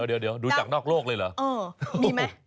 เดี๋ยวดูจากนอกโลกเลยเหรอ